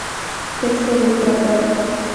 Texto del tratado.